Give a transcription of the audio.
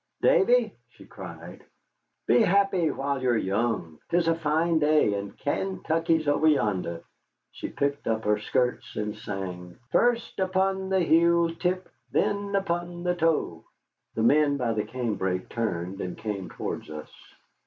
"Davy," she cried, "be happy while you're young. 'Tis a fine day, and Kaintuckee's over yonder." She picked up her skirts and sang: "First upon the heeltap, Then upon the toe." The men by the cane brake turned and came towards us.